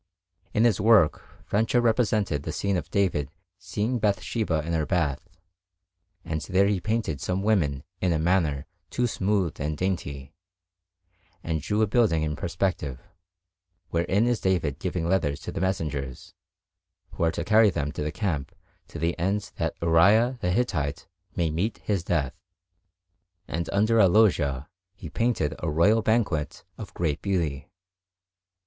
In his work Francia represented the scene of David seeing Bathsheba in her bath; and there he painted some women in a manner too smooth and dainty, and drew a building in perspective, wherein is David giving letters to the messengers, who are to carry them to the camp to the end that Uriah the Hittite may meet his death; and under a loggia he painted a royal banquet of great beauty.